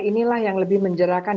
inilah yang lebih menjerahkan